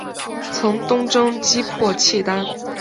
曾东征击破契丹。